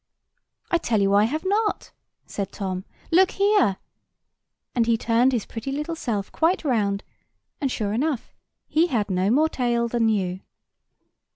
"I tell you I have not," said Tom. "Look here!" and he turned his pretty little self quite round; and, sure enough, he had no more tail than you.